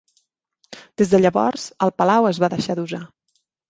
Des de llavors, el palau es va deixar d"usar.